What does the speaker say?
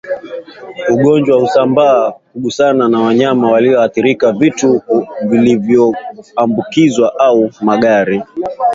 ugonjwa husambaa kwa kugusana na wanyama walioathirika vitu vilivyoambukizwa au magari